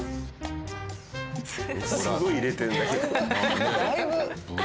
すごい入れてるんだけど。